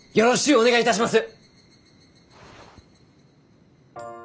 お願いいたします！